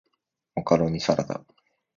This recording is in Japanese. マカロニサラダ